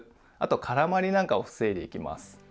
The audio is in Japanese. あと絡まりなんかを防いでいきます。